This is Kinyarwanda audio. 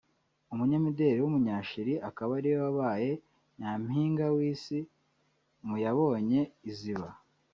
umunyamideli w’umunya-Chili akaba ariwe wabaye nyampinga w’isi mu yabonye iziba